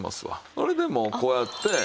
それでもうこうやって。